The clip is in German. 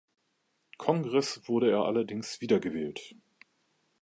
Kongress wurde er allerdings wieder gewählt.